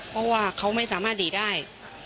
เพราะว่าเขาไม่สามารถดีดได้